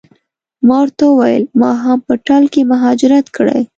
ما ورته وویل ما هم په ټل کې مهاجرت کړی.